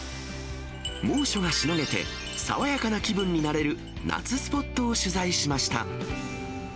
猛暑がしのげて、爽やかな気分になれる夏スポットを取材しました。